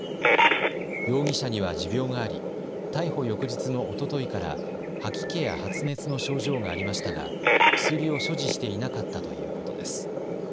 容疑者には持病があり逮捕翌日のおとといから吐き気や発熱の症状がありましたが薬を所持していなかったということです。